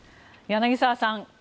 柳澤さん